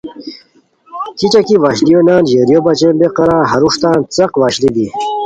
کیچہ کی وشلیو نان ژیریو بچین بے قرار ہروݰ تا ن چقہ وشلی دی بے